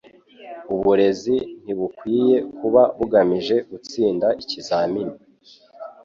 Uburezi ntibukwiye kuba bugamije gutsinda ikizamini.